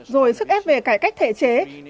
rồi sức ép về cải cách thể chế